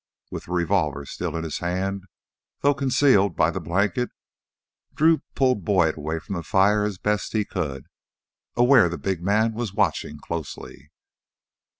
With the revolver still in his hand, though concealed by the blanket, Drew pulled Boyd away from the fire as best he could, aware the big man was watching closely.